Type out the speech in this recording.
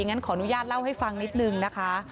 งั้นขออนุญาตเล่าให้ฟังนิดนึงนะคะ